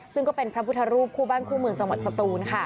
ซึ่งก็เป็นพระพุทธรูปคู่แบ้งคู่จังหวัดศัตรู